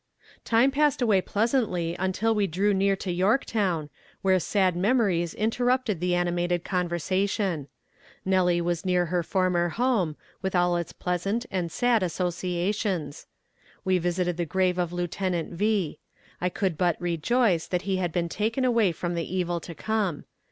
Time passed away pleasantly until we drew near to Yorktown, where sad memories interrupted the animated conversation. Nellie was near her former home, with all its pleasant and sad associations. We visited the grave of Lieutenant V. I could but rejoice that he had been taken away from the evil to come.